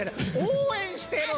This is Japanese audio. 応援してるの！